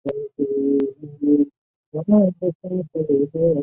县治黑马戈尔。